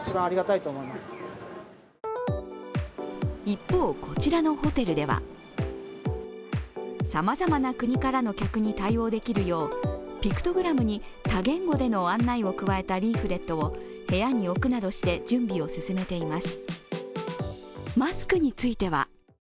一方、こちらのホテルでは、さまざまな国からの客に対応できるようピクトグラムに多言語での案内を加えたリーフレットを部屋に置くなどして準備を進めています。